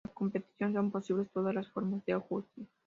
En la competición son posibles todas las formas de ajuste.